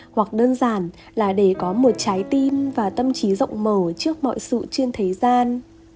hoặc đơn giản là để có một trái tim và tâm trí rộng mở trước mọi sự trên thế gian